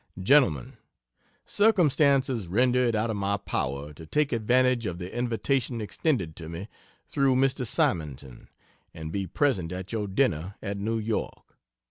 GENTLEMEN, Circumstances render it out of my power to take advantage of the invitation extended to me through Mr. Simonton, and be present at your dinner at New York.